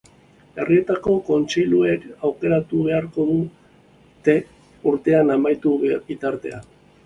Herrietako kontseiluek aukeratu beharko dute urtea amaitu bitartean.